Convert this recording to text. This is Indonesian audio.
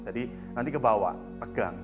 jadi nanti ke bawah pegang